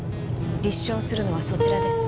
立証するのはそちらです。